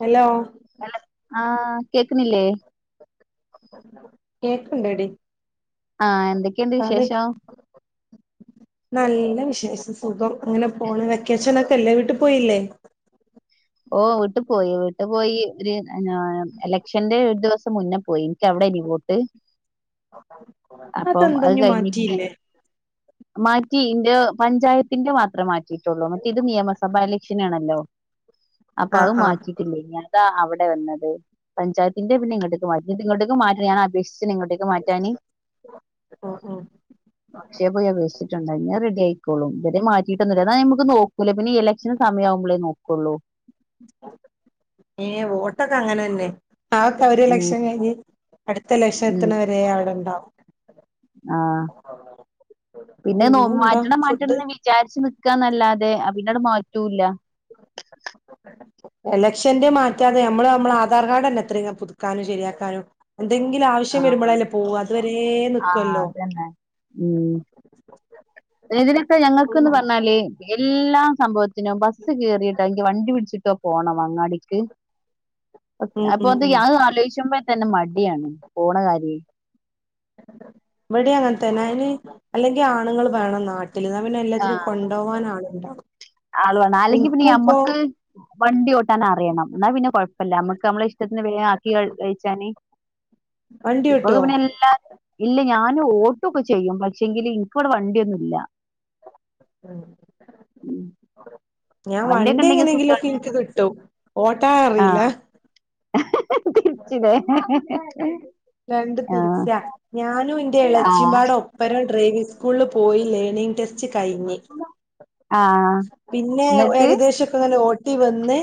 Hello ആഹ് കേക്ക്ണില്ലേ? കേക്ക്ണ്ടടി ആഹ് എന്തെ‌ക്കിണ്ട് പറി വിശേഷം? നല്ല വിശേഷം സുഖം അങ്ങനെ പോണ് വെക്കേഷനൊക്കെ അല്ലേ വീട്ടി പോയില്ലേ? ഓഹ് വീട്ടി പോയി വീട്ടി പോയി ഒര് അഹ് എലക്ഷന്റെ ഒരു ദിവസം മുന്ന പോയി നിക്കവിടല്ലേ വോട്ട് അപ്പം അതെന്താ അത് ഇഞ്ഞ് കഴിഞ്ഞ് പിന്നെ മാറ്റിയില്ലേ? മാറ്റി ഇന്റെ പഞ്ചായത്തിന്റെ മാത്രേ മാറ്റിയിട്ടുള്ളൂ മറ്റേ ഇത് നിയമസഭാ ഇലക്ഷനാണല്ലോ അപ്പ അത് ആഹ് ആഹ് മാറ്റിയിട്ടില്ലേനി അതാ അവിടെ വന്നത് പഞ്ചായത്തിന്റെ പിന്നെ ഇങ്ങട്ടേക്ക് മാറ്റി ഇതിങ്ങോട്ടേക്ക് മാറ്റാന് ഞാൻ അപേക്ഷിച്ച്ണ് ഇങ്ങോട്ടേക്ക് മാറ്റാന് ഉം ഉം ക്ഷയെ പോയി അപേക്ഷിച്ചിട്ട്ണ്ട് ഇഞ്ഞ് അത്‌ റെഡിയായ്ക്കോളും ഇതു വരെ മാറ്റിട്ടൊന്നുല്ല ഇതായിമ്മക്ക് നോ ക്കൂല പിന്നെ ഈ ഇലക്ഷന്റെ സമയാവുമ്പളെ നോക്കുള്ളൂ ഏഹ് വോട്ടൊക്കെ അങ്ങനന്നെ അതൊക്കെ ഉം ഒരിലക്ഷൻ കഴിഞ്ഞ് അടുത്ത ഉം എലക്ഷനെത്തണ വരേ അവിടെണ്ടാവും ആഹ് പിന്നെ നോ പിന്നെന്താ മാറ്റണം ഫുഡ് മാറ്റണന്ന് വി ചാരിച്ച് നിക്കാന്നല്ലാതെ അഹ് പിന്നട് മാറ്റൂല്ല എലക്ഷന്റെ മാറ്റാതെ നമ്മള് നമ്മളെ ആധാർ കാർഡല്ലെ എത്ര പുതുക്കാനും ശരിയാക്കാനും എന്തെങ്കിലും ആവശ്യം ആഹ് വരുമ്പളേല്ലേ പോവ അത് വരേ ആഹ് നിക്കുവല്ലോ അതന്നെ ഉം ഇതിനൊക്കെ ഞങ്ങൾക്കെന്ന് പറഞ്ഞാല് എല്ലാം സംഭവത്തിനും ബസ്സ് കേറിയിട്ടോ അല്ലെങ്കി വണ്ടി പിടിച്ചിട്ടോ പോണം അങ്ങാടി ക്ക് ഉം അപ്പൊ ഉം അത് ഉം അത് ആലോയ്ച്ചുമ്പോ തന്നെ മടിയാണ് പോണ കാര്യേ ഇവടിം അങ്ങനെത്തന്നെ അയ്ന് അല്ലെങ്കി ആണുങ്ങൾ വേണം നാട്ടിലെന്നാ പിന്നെ എല്ലാത്തിനും ആഹ് കൊ ണ്ടോവാനാളിണ്ടാവും ആള് വേണം അല്ലെങ്കി പിന്നെ ഞമ്മക്ക് വണ്ടി ഓട്ടാൻ അറിയണം ഇന്നാ പിന്നെ കുഴപ്പല്ല നമ്മക്ക് നമ്മളെ ഇഷ്ടത്തിന് വേഗം ആ‌ക്കി അഹ് അയ്ച്ചാന് വണ്ടി ഓട്ടോ ഇല്ല ഞാനോട്ടോക്കെ ചെയ്യും പക്ഷെങ്കില് ഇനിക്കിവിടെ വണ്ടിയൊന്നുംല്ല ഉം ഉം ഞാൻ വണ്ടിയൊക്കെ വണ്ടി ഉണ്ടെങ്കി സുഖാ എങ്ങനെങ്കിലൊക്കെ ഇൻക്ക് കിട്ടും ഓട്ടാനറീല്ല വിറ്റ്ലേ രണ്ടും തിരിച്ചാ ഞാനും ഇന്റെ ആഹ് എളച്ചിമ്പാടെ ഓപ്പ ഒപ്പരം ഡ്രൈവിങ് സ്കൂളിൽ പോയി ലേണിംഗ് ടെസ്റ്റ് കഴിഞ്ഞ് ആഹ് പിന്നെ എന്നിട്ട് ഏകദേശം ഒക്കെ അവര് ഓട്ടി വന്ന്.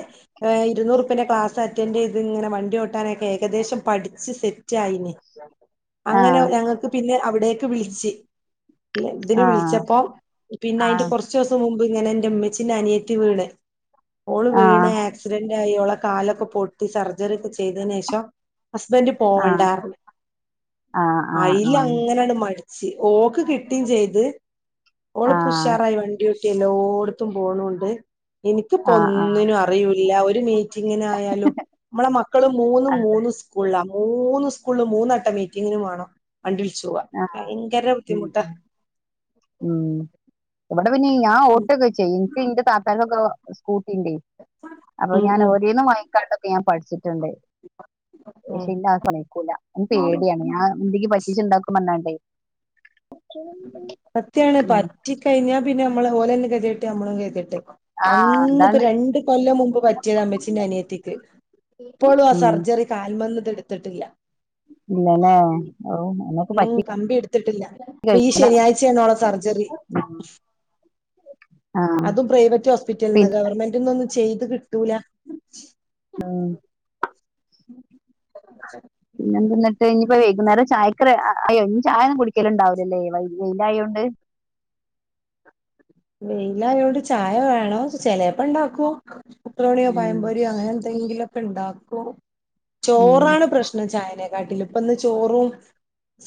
ഇരുന്നൂറ് രൂപയുടെ ക്ലാസ് അറ്റൻഡ് ചെയ്ത് ഇങ്ങനെ വണ്ടി ഓട്ടാനൊക്കെ ഏകദേശം പഠിച്ച് സെറ്റ് ആയിന്. അങ്ങനെ ആഹ് ഞങ്ങക്ക് പിന്നെ അവിടേക്ക് വിളിച്ച്. ഇതിന് ആഹ് വിളിച്ചപ്പോ പിന്നെ അതിന്റെ ആഹ് കുറച്ച് കുറച്ചു ദിവസം മുമ്പ് ഇങ്ങനെ എൻ്റെ ഉമ്മച്ചിൻ്റെ അനിയത്തി വീണ് ഓള് ആഹ് വീണ് ആക്സിഡന്റ് ആയി അവളെ കാലൊക്കെ പൊട്ടി സർജറി ഒക്കെ ചെയ്ത ശേഷം ഹസ്ബൻഡ് ആഹ് പോവണ്ടാ ആഹ് ആഹ് അയില് ആഹ് അങ്ങനെട് മടുത്തു. ഓക്ക് കിട്ടുകയും ചെയ്ത് ഓള് ഇപ്പോ ആഹ് ഉഷാറായി വണ്ടി [unintelligible] ഇപ്പം എല്ലായിടത്തും പോണുണ്ട് എനിക്കിപ്പോ ആഹ് ആഹ് ഒന്നിനും അറിയുല്ല ഒരു മീറ്റിംഗിന് ആയാലും നമ്മളെ മക്കള് മൂന്നും അതെ മൂന്നും സ്കൂളിലാ മൂന്ന് സ്കൂളും മൂന്നോട്ടം മീറ്റിങ്ങിനു പോണം വണ്ടി വിളിച്ചു പോവാ ആഹ് ഭയങ്കര ഉം ബുദ്ധിമുട്ടാ. ഉം ഉം ഇവിടെ പിന്നെ ഞാൻ ഉം ഓട്ടോക്കെ ചെയ്യും എനിക്ക് എന്റെ താത്താനൊക്കെ സ്കൂട്ടിണ്ടേ. അപ്പൊ ഉം ഞാൻ ഉം ഓരേന്നും വാങ്ങിക്കൊണ്ടൊക്കെ ഞാൻ പഠിച്ചിട്ടുണ്ട്. ഉം പക്ഷേ എന്നെ സമ്മതിക്കൂല പേടിയാണ് ഞാൻ എന്തെങ്ങിലും പറ്റീച്ചുണ്ടാക്കും. സത്യാണ് ഉം പറ്റി കഴിഞ്ഞാൽ പിന്നെ നമ്മള് ഓലന്നെ ഗതി കെട്ട് നമ്മളെ ഗതികെട്ട്. ആഹ് അന്ന് ഇപ്പോ അതാണ് രണ്ട് കൊല്ലം മുമ്പ് പറ്റിയതാ അമ്മച്ചിന്റെ അനിയത്തിക്ക് ഇപ്പോഴും ആഹ് ഉം സർജറി കാലുമ്മന്ന് ഇത് എടുത്തിട്ടില്ല. ഇല്ലല്ലേ ഓഹ് അയിനൊക്കെ ഉം പറ്റി കമ്പി എടുത്തിട്ടില്ല ഇപ്പൊ ഈ ശനിയാഴ്ചയാണ് അവൾടെ സർജറി കഴിഞ്ഞു. ആഹ് അതും. പ്രൈവറ്റ് ഹോസ്പിറ്റലിൽ പിന്നെ നിന്ന് ഗവൺമെന്റിന്നൊന്നും ചെയ്ത് കിട്ടൂല ആഹ് [unintelligible] പിന്നെ എന്നിട്ട് ഇനിയിപ്പോ വൈകുന്നേരം ചായക്ക് അയ്യോ ഇനി ചായ ഒന്നും കുടിക്കലുണ്ടാവലില്ലല്ലേ വെയിലായോണ്ട് വെയിലായോണ്ട് ചായ വേണം ചെലപ്പോ ഉണ്ടാക്കും പക്ക് വടയോ പഴം ഉം പൊരിയോ അങ്ങനെ എന്തെങ്കിലും ഒക്കെ ഉണ്ടാക്കും ഉം ചോറാണ് പ്രശ്നം ചായനെക്കാട്ടിലും ഇപ്പന്ന് ചോറും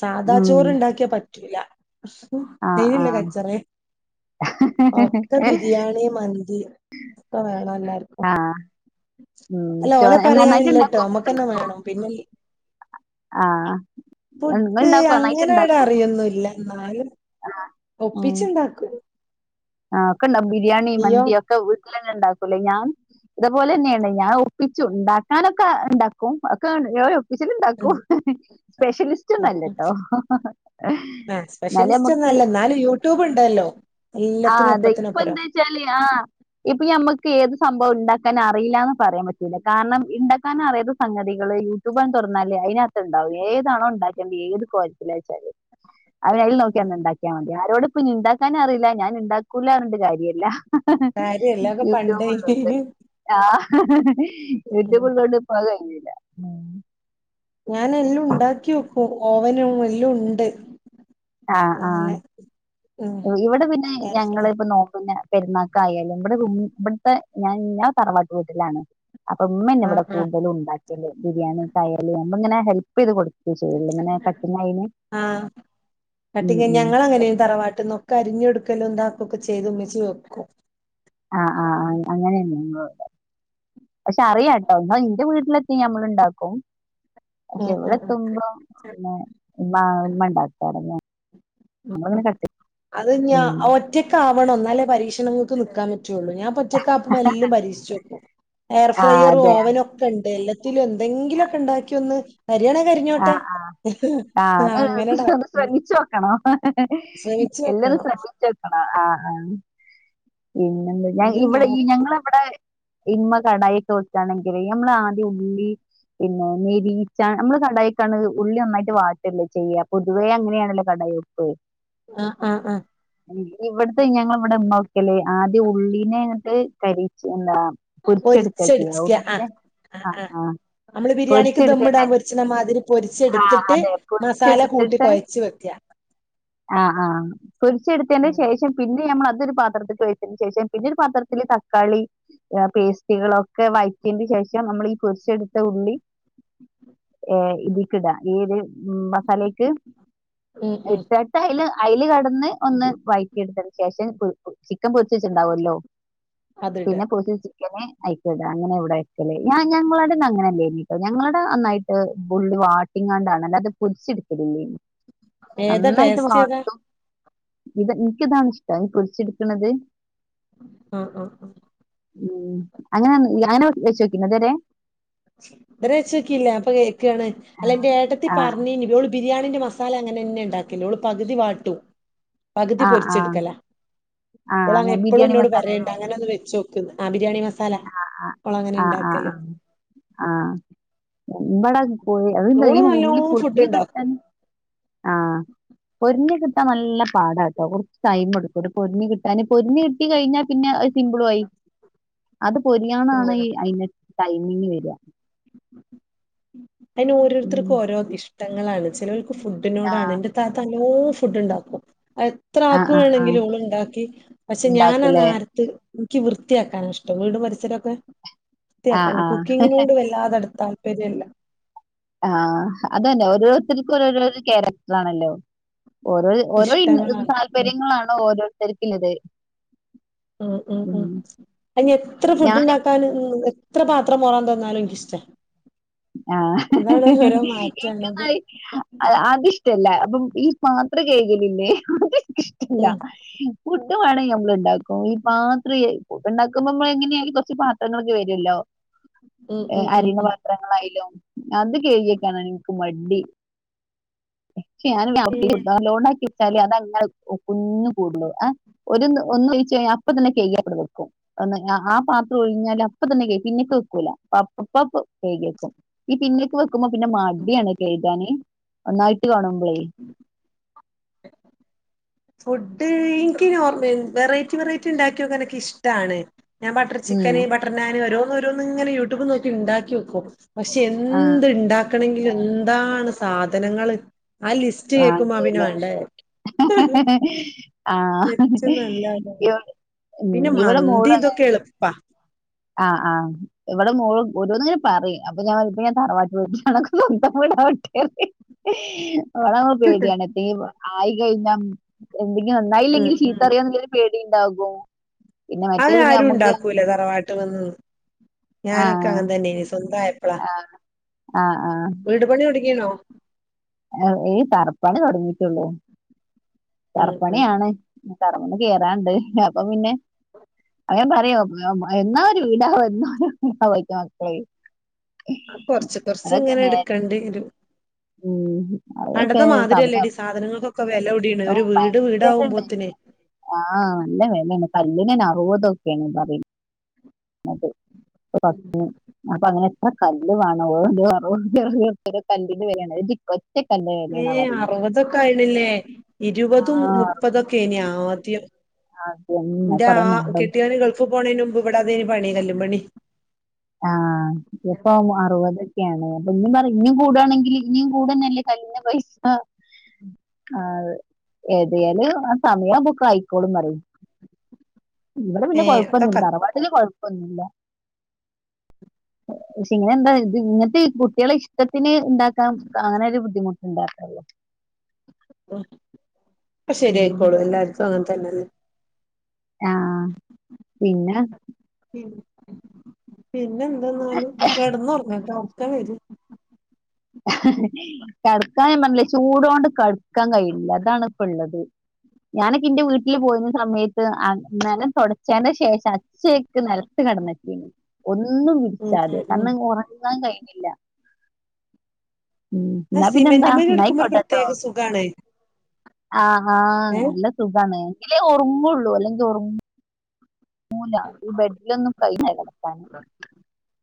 സാധാ ഉം ചോറ് ഉണ്ടാക്കിയാ പറ്റൂല ആഹ് അയിനില്ല ആഹ് കച്ചറ ഒക്കെ ബിരിയാണി മന്തി ഒക്കെ വേണം എല്ലാർക്കും. ആഹ് ഉം അല്ല ചോ ഓല നന്നായിട്ട് പറയാനില്ലട്ടോ ഇണ്ടാക്കോ നമ്മക്ക്ന്നെ ഫുഡ്ണ്ടാക്കോ വേണം പിന്നെ. ആഹ് നിങ്ങൾ പുട്ട് ഇണ്ടാക്കോ അങ്ങനെ വല്ല അറിയൊന്നുംല്ല എന്നാലും ആഹ് ഒപ്പിച്ചുണ്ടാക്കും ആഹ് ഒക്കെ ബിരിയാണി നീയോ മന്തി ഒക്കെ വീട്ടിൽ തന്നെ ഉണ്ടാക്കൂലേ ഞാൻ ഇതേപോലെ തന്നെയാണ് ഞാൻ ഒപ്പിച്ചു ഉണ്ടാക്കാനൊക്കെ ഉണ്ടാക്കും ഒക്കെ ഉം [unintelligible] സ്പെഷ്യലിസ്റ്റ് ഒന്നുല്ലട്ടോ. ആഹ് സ്പെഷ്യലിസ്റ്റ് ഒന്നുല്ല എന്നാലും യൂട്യൂബ് ഉണ്ടല്ലോ എല്ലാത്തിനും ഒപ്പത്തിനൊപ്പം ശരിയാ ഇപ്പൊ നമ്മക്ക് ഏത് സംഭവം ഉണ്ടാക്കാൻ അറിയില്ലന്ന് പറയാൻ പറ്റില്ല കാരണം ഉണ്ടാക്കാൻ അറിയാത്ത സംഗതികള് യൂ യൂട്യൂപ് തുറന്നാലേ അതിനകത്ത്ണ്ടാവും ഏതാണോ ഉണ്ടാക്കേണ്ട ഏത് കോലത്തിലാന്ന് വെച്ചാലും [inaudible] അതെ. അതിൽ നോക്കിയങ്ങ് ഉം ഉണ്ടാക്കിയാൽ മതി ആരോട് പിന്നെ ഉണ്ടാക്കാൻ അറിയില്ല ഞാൻ ഉണ്ടാക്കൂല്ലാന്ന് പറഞ്ഞിട്ട് കാര്യമില്ല. കാര്യല്ല അതൊക്കെ പണ്ട് യൂട്യൂബ് ഉളേളാണ്ട് ആഹ് യൂട്യൂബ് ഉം ഉള്ളാണ്ട്. അപ്പ അത് കഴിഞ്ഞില്ല ഞാന് എല്ലാം ഉണ്ടാക്കി വെക്കും. ഓവനും എല്ലാം ഉണ്ട്. ആഹ് ആഹ് അങ്ങനെ ഉം ഇവിടെ പിന്നെ ഞങ്ങള് ആഹ് ഇപ്പം നോക്കുന്ന പെരുന്നാക്കായാലും, ഇവിടെ, ഇവിടുത്തെ ഞാൻ തറവാട്ട് വീട്ടിലാണ്. അപ്പൊ ഉമ്മന്നെ ഇവിടെ ആഹ് കൂടുതലും ഉണ്ടാക്കിയത്. ബിരിയാണി ആയാലും നമ്മ ഇങ്ങനെ ഹെല്പ് ചെയ്ത് കൊടുക്ക ആ കെട്ടി ഉം കഴിഞ്ഞാൽ ഉം ഞങ്ങൾ അങ്ങനെനും തറവാട്ടിന്ന്. ക്കെ അരിഞ്ഞൊടുക്കലും താക്കും ഒക്കെ ചെയ്ത് ഇമ്മച്ചി വെക്കും ആഹ് ആഹ് ആഹ് അങ്ങനെയന്ന പക്ഷെ അറിയാം ട്ടോ എന്നാ എന്റെ വീട്ടില് നമ്മൾ ഉണ്ടാക്കും പക്ഷെ ഉം ഇവിടെ ഉം ഉം എത്തുമ്പം പിന്നെ ഇമ്മ ഉമ്മ ഉണ്ടാക്കാറ് ഞങ്ങള ഉം ഉം പിന്നെ കെട്ടി അത് ഞാ ഒറ്റക്ക ആവണം എന്നാലേ പരീക്ഷണ ങ്ങൾക്ക് നിൽക്കാൻ പറ്റുവുള്ളൂ ഞാൻ ഒറ്റകാവുബം എല്ലും പരീക്ഷിച്ച് നോക്കും എയർ ആ ഫ്രയറും അതെ ഓവനും ഒക്കെ ഉണ്ട് എല്ല ത്തിലും എന്തെങ്കിലും ഒക്കെ ഉണ്ടാക്കിയ ഒന്ന് കരിയാണെങ്കി കരിഞ്ഞോട്ടെ ആഹ് ആഹ് ആഹ് ഒന്ന് ശ്രമിച്ച് നോക്കണം ശ്രമിച്ചു എല്ലതും നോക്കണം ശ്രമിച്ച് നോക്കണം ആഹ് ആഹ് പിന്നെന്ത ഞ എല്ലാം നോ ഇവിടെ ഈ ഞങ്ങളെ ഇവിടെ ഇമ്മ കടായി ഒക്കെ വെക്കാണെങ്കിൽ നമ്മള ആദ്യം ഉള്ളി പിന്നെ നെരിയിച്ച നമ്മള് കടായിക്കാണ് ഉള്ളി ഒന്നായിട്ട് വാട്ടല്ലേ ചെയ്യ പൊതുവേ അങ്ങനെയണല്ലോ കടായി വെപ്പ് ആഹ് ആഹ് ആഹ് ഇവിടത്തെ ഞങ്ങള ഇവിടെ ഇമ്മ വെക്കല് ആദ്യം ഉള്ളിനെ അങ്ങിട്ട് നെരിച്ച് എന്താ പൊരിച്ചെടുക്കാ ചെയ്യാ പൊരിച്ചടിച്ചിക്ക ആഹ് ഉള്ളീനെ ആഹ് ആ നമ്മള് ബിരിയാണിക്ക് ദമ്മിടാ പൊരിച്ചെടുത്തന്നെ പൊരിച്ണ മാതിരി ആ പൊരിച്ചെടുത്തിട്ട് അതെ മസാല കൂട്ടി പൊരിച്ചെടുത്തിട്ട് കൊഴച്ച് വെക്ക ആഹ് ആഹ് പെരിച്ചെടുത്തതിന്റെ ശേഷം പിന്നെ ഞമ്മള് അതൊരു പാത്രത്തിലേക്ക് ഒഴിച്ചതിന് ശേഷം പിന്നെ ഒരു പാത്രത്തില് തക്കാളി പേസ്റ്റികളൊക്കെ വഴറ്റിയതിന്റെ ശേഷം നമ്മള ഈ പൊരിച്ചെടുത്ത ഉള്ളി ഇതിക്ക് ഇടാം ഈ ഒരു മസാലക്ക് ഉം ഉം ഇട്ട് അയ്ല് അയ്ല് കടന്ന് ഒന്ന് വയറ്റി എടുത്ത ശേഷം ചിക്കൻ പൊരിച്ച് വെച്ചു ഉണ്ടാവല്ലോ അതിട പിന്നെ പൊരിച്ച ചിക്കന് അയ്ക്ക് ഇടാ അങ്ങനെ ഇവിടെ വെക്കല് ഞ ഞങ്ങളാടെ ഒന്നു അങ്ങനെല്ലേനിട്ടോ ഞങ്ങടെ നന്നായി ട്ട് ഫുള്ള് വാട്ടിങ്ങാണ്ടാണ് അല്ലാതെ പൊരിച്ച് എട് ഉള്ളി ഏതാ നന്നായിട്ട് ടേസ്റ്റ് ഏതാ വാട്ടും ഇനിക്ക് ഇതാണ് ഇഷ്ടം ഈ പെരിച്ചെടുക്ക്ണത് ക ആഹ് ആഹ് ഉം അങ്ങന അങ്ങനെ വെച്ചോക്കിണോ ഇത് വരെ ഇത് വരെ വെച്ചോക്കില്ല ഞാൻ ഇപ്പം കേൾക്കാണ് അല്ല എന്റെ ഏട്ടത്തിൽ ആഹ് പറഞ്ഞനി ഓള് ബിരിയാണിന്റെ മസാല അങ്ങന്നെ തന്നെ ഉണ്ടാക്കല് ഓള് പകുതി വാട്ടും പകുതി ആഹ് ആഹ് പൊരിച്ചെടുക്കലാ ആഹ് ഓള് അങ്ങനെ എപ്പോഴും ബിരിയാണി എന്നോട് മസാല പറയല്ണ്ട് അല്ലേ അങ്ങനെ ഒന്ന് വെച്ച് നോ ക്ക് ആ ബിരിയാണി മസാല ആഹ് ഓള് അങ്ങനെ ആഹ് ആഹ് ഉണ്ടാക്കല് ആഹ് ആഹ് ഇബട അതന്താ ഈ ഓള് ഉള്ളി നല്ലോം ഫുഡ് പെരിഞ് കിട്ടൻ ഇണ്ടാക്കും ആഹ് പെരിഞ്ഞ് കി ട്ടാൻ നല്ല പാടാ കേട്ടോ കുറച്ച് ടൈം എടുക്കും ഒരു പൊരുഞ്ഞ് കിട്ടാന് പൊരിഞ് കിട്ടി കഴിഞ്ഞാൽ പിന്നെ അത് സിമ്പിളു ആയി അത് പൊരിയാണാണ് ഈ അയിന് ടൈമിങ് വരിക അതിന് ഉം ഓരോരുത്തർക്കും ഓരോ ഇഷ്ടങ്ങളാണ് ചിലർക്ക് ഫുഡിനോടാണ് ആഹ് എന്റെ ഇത്താത്ത നല്ലോ ഫുഡ് ഉണ്ടാക്കും അയ് എത്ര ആഹ് ആക്കു ആഹ് ആഹ് വേണെങ്കിലും ഓള് ഉണ്ടാക്കി പക്ഷെ ഞാന് ആ ഉണ്ടാക്കൂലേ നാരത്ത് എനിക്ക് വൃത്തിയാക്കാന ഇഷ്ടം വീട് പരിസരൊക്കെ ആഹ് വൃത്തിയാക്കാൻ ആഹ് കുക്കിങ്ങിനോട് വല്ലാതെ ആണ്ട് താല്പര്യം ഇല്ല ആഹ് അതല്ല ഓരോരുത്തർക്കും ഒരോ ഒരു ക്യാരക്ടർ ആണല്ലോ ഓരോ ഓരോ ഇ ഇഷ്ടങ്ങളാണ് ഉം താല്പര്യങ്ങളാണോ ഓരോരുത്തർക്കും ഇല്ലത് ഉം ഉം ഉം അത് ഇനി എത്ര ഫുഡ് ഞാന് ഉണ്ടാക്കാനും നിന്ന് എത്ര പത്രം മോറാൻ തന്നാലും എനിക്ക്ഷ്ട്ടാ ആഹ് എനിക്ക് മാറ്റാണത് ഇന്നാല് അത് ഇഷ് ഇ്ടല്ല അപ്പം ഈ പാത്ര കഴകലില്ലേ അത് എന്നിക്ക് ഇഷ്ടല്ല ഉം ഫുട്ട് വേണെങ്കിൽ നമ്മുള് ഇണ്ടാക്കും ഈ പാത്രയ ഉണ്ടാക്കുമ്പോ നമ്മള് എങ്ങനെയ കൊറച്ച് പാ ത്രങ്ങൾ വരുവല്ലോ ഉം ഉം ഉം അരിന ഉം പത്രം ങ്ങളായാലും അത് കഴുകി വെക്കാന് എനിക്ക് മടി ചെ ഞാൻ എന്നാ ഏഹ് അത് ലോൺ ആക്കി വെച്ചാലേ അതങ്ങനെ കുന്ന് കൂടുള്ളൂ ആഹ് ഒരുന്ന് ഒന്ന് ഒഴിച്ച് അപ്പ തന്നെ കേയ്കി ആണ് വെക്കും ഒന്ന് ആഹ് പാത്രം ഒഴിഞ്ഞാല് അപ്പ തന്നെ കഴികി പിന്നെക്ക് വെക്കൂല അപ്പാപ്പ് കഴകി വേക്കും ഈ പിന്നയൊക്കെ വെക്കുമ്പോ പിന്നെ മടിയാണ് കേയ്ക്കാന് ഒന്നായിട്ട് കാണുമ്പോളേയ് [inaudible] ഫുഡ് എനിക്ക് നോർമ്മൽ വെറൈറ്റി വെറൈറ്റി ഉണ്ടാക്കിയക്കെ എനിക്ക് ഇഷ്ടമാണ് ഞാൻ ബട്ടർ ഉം ചിക്കന് ബട്ടർ നാൻ ഓരോന്ന് ഓരോന്ന് ഇങ്ങനെ യൂട്യൂബിൽ നോക്കി ഉണ്ടാക്കി വെക്കും പക്ഷെ ആഹ് എന്ത് ഉണ്ടാക്കണങ്കിലും എന്താണ് സാധനങ്ങള് ആഹ് ലിസ്റ്റ് കേൾക്കുമ്പോ ഞാൻ പിനെ വാണ്ടല്ലേ വേണ്ടേ വെക്കും ആഹ് തെച്ച നല്ല ഇവ ഉം പിന്നെ ഇവിടെ മോള് മന്തി ഇതൊക്കെ എളുപ്പാ ആഹ് ആഹ് ഇവിടെ മോൾ ഓരോന്നിങ്ങനെ പറയും അപ്പൊ ഞാൻ തറവാട്ടുലോട്ട് നടക്കും [unintelligible] എ [unintelligible] ഇവടെ അവുബോം പേടിയാണ് എത്തോലും ആയി കഴിഞ്ഞൽ എന്തെങ്കിലും ഉം നന്നായില്ലെങ്കിൽ ചീത്ത ഉം പറിയൊന്നുള്ളൊരു പേടി ഇണ്ടാകും അത് ആരും ഉണ്ടാക്കൂല തറവാട്ട് വന്ന് ഞാനൊക്കെ അങ്ങനെ തന്നെ ഇനി സ്വന്തം ആയപ്പളാ ആഹ് ആഹ് ആഹ് വീട്പണി തുടങ്ങിന്നേ ഈ തറപ്പണണി തുടങ്ങിട്ടുള്ളൂ ഉം ഉം തറപ്പണിയാണ് തറമ്മന്ന് കേറാൻ ഉണ്ട് അപ്പൊ പിന്നെ അങ്ങനെ പറയെ എന്നാ ഒരു വീടാ ആവാ എന്നാ ഒരു വിടാവാ ചോയ്ക്കാ മക്കളെയ് ആഹ് കൊറച്ച് കൊറച്ച് ഇങ്ങനെ നേ എടുക്കേണ്ടി വരും ഉം ഹും പണ്ടത്തെ മാതിരിയല്ലേടി സാധനങ്ങൾക്കൊക്കെ വില കൂടിണ് ഒരു വീട് വീടാവകുമ്പോത്തിനെ ആഹ് നല്ല വേലാണ് കല്ലിനെന്നെ അറുവതൊർപ്യയാണ് പറയുന്നത് അപ്പൊ അങ്ങനെ എത്ര കല്ല് വേണ ഒരറുപത് റുപ്യയാണ് ഒരു കല്ലിന്റെ വിലയാണ് ഒറ്റക്കല്ലേ ഏഹ് അറുപതൊക്കെ ആയിണില്ലേ ആ ഇരുപതും മുപ്പതൊക്കെ എയ്നി ആദ്യം എന്ന് ബന്റ കൊറേ ആഹ് മുമ്പല്ലേ കെട്ടിയന് ഗൾഫ് പോണതിന് മുമ്പ് ഇവിടാതെ പണി കല്ലും പണി ആഹ് ഇപ്പം അറുപതൊക്കെയാണ് ഇപ്പൊ ഇനി പറ ഇണ്ടും കൂടാണെങ്കിൽ ഇനിയും കൂടെന്നല്ലേ കല്ലിഞ്ഞ പൈസ ആഹ് ഉ [inaudible] ആഹ് അതെ ഏതായാലും ആഹ് സമയം ആകുബൊ ഒക്കെ ആയിക്കോളന്ന് പറയും ഇവിടെ പിന്നെ ഏ കുഴപ്പൊന്നില്ല അതൊക്കെ തറവാട്ടില് കൊഴ ഴപ്പൊന്നുല്ല പക്ഷെ ഇനി എന്താ ഇത് ഇങ്ങനത്തെഈ കുട്ടികളെ ഇഷ് ട്ടത്തിന് ഉണ്ടാക്കാ അങ്ങനൊ ഒരു ബുദ്ധിമുട്ട് ഉണ്ടാക്കുള്ളോ ഉം ഒക്കെ ഉം. ശരിയായിക്കോളൂ എല്ലാർക്കും അങ്ങനെ തന്നെല്ല ആഹ് പിന്നെ പിന്നെ എന്താെ ഇന്നാല് കെടന്നൊറങ്ങട്ടോ ഒറക്കം വരും കടക്കാൻ ഞാൻ പറഞ്ഞില്ലേ ചൂടോണ്ട് കടക്കാൻ കഴയില്ല അതാണ് ഇപ്പം ഉള്ളത് ഞാനൊക്കെ എന്റെ വീട്ടിൽ പോയിരുന്ന സമയത്ത് ആ നെലം തുടച്ചേന് ശേഷ അച്യൊക്ക് നെലം കിടന്നറ്റീന് ഒന്നും ഉം വിരിച്ചാതെ ഉം ഉം കാരണം ഉറങ്ങാൻ കഴിഞ്ഞില്ല ഉം ആ ഇന്നാ പിന്നെന്താ സിമെന്റ്മേൽ കിടക്കുമ്പോ ഒരു ഇന്നായിക്കോട്ടെ കേട്ടോ പ്രത്യേക സുഖാണ് ആഹ് ആഹ് ഏ നല്ല സുഖാണ് എങ്കിലേ ഒറങ്ങുള്ളൂ അല്ലെങ്കിൽ ഒറ ങ്ങുല്ല ഈ ബെഡിലൊന്നും കൈ മേല വെക്കാൻ-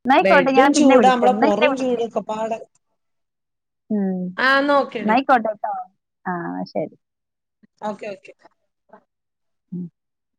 ന്നായിക്കോട്ടെ ഞാൻ പിന്നെ വിളിക്ക ഇങ്ങളെന്നെ വിളിക്ക പാടൽ- ഉം ഓക്കേടി നൈക്കോട്ടട്ടോ ആഹ് ശരി. Okay okay. ഉം [inaudible]